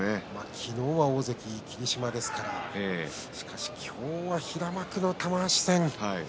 昨日は大関霧島ですからしかし、今日は平幕の玉鷲戦。